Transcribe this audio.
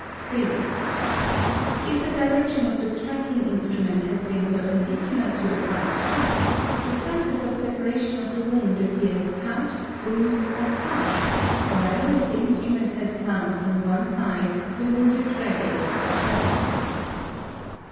3. If the direction of the striking instrument has been. perpendi cular to the part struck, the surface of separation of the wound appears >. sut, bruised, or crushed, while if the instrument has.glanced on one side, the wound is ragged or torn.